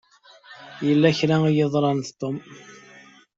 Yella kra i yeḍṛan d Tom.